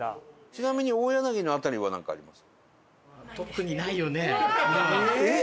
ちなみに大柳の辺りはなんかあります？えっ？